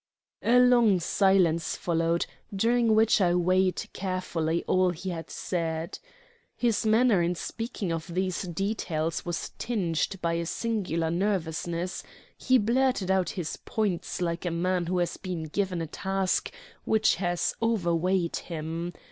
A long silence followed, during which I weighed carefully all he had said. His manner in speaking of these details was tinged by a singular nervousness; he blurted out his points like a man who has been given a task which has overweighted him.